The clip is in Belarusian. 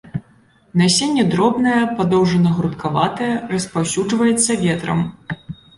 Насенне дробнае, падоўжана-грудкаватае, распаўсюджваецца ветрам.